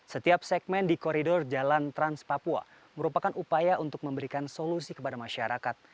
setiap segmen di koridor jalan trans papua merupakan upaya untuk memberikan solusi kepada masyarakat